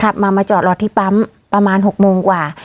ขับมามาจอดรอที่ปั๊มประมาณ๖โมงกว่า